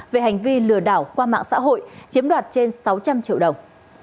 về hành vi lừa đảo qua mạng xã hội chiếm đoạt trên sáu trăm linh triệu đồng